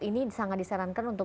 ini sangat disarankan untuk